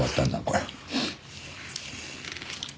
これ。